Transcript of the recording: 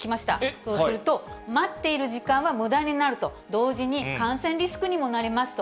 そうすると、待っている時間はむだになると同時に、感染リスクにもなりますと。